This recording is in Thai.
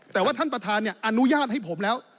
อ๋อแต่ว่าท่านประธานเนี่ยอนุญาตให้ผมแล้ว